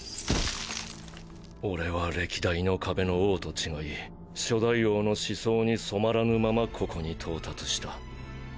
俺は歴代の壁の王と違い初代王の思想に染まらぬままここに到達した。